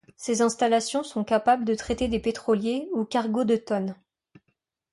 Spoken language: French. Ces installations sont capables de traiter des pétroliers ou cargos de tonnes.